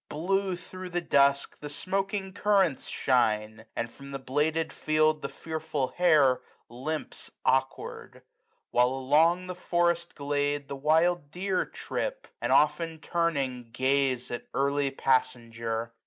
S5 Blue, thro' the dusk, the smoaking currents shine ; And from the bladed field the fearful hare Limps, awkward : while along the forest glade H 2 52 SUMMER. The wild deer trip, and often turning gaze At early passenger.